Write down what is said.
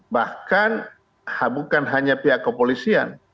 bahkan bukan hanya pihak kepolisian